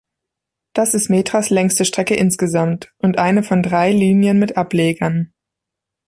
Das ist Metras längste Strecke insgesamt und eine von drei Linien mit Ablegern.